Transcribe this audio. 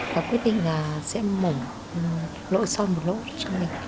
và quyết định là sẽ mổ nội soi một lỗ cho mình